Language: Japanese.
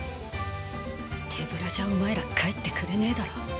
手ぶらじゃお前ら帰ってくれねぇだろ。